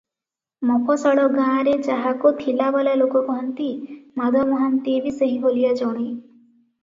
ମଫସଲ ଗାଁରେ ଯାହାକୁ ଥିଲାବାଲା ଲୋକ କହନ୍ତି, ମାଧ ମହାନ୍ତିଏ ବି ସେହିଭଳିଆ ଜଣେ ।